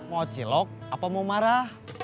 mau cilok apa mau marah